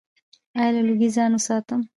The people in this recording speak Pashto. ایا له لوګي ځان وساتم؟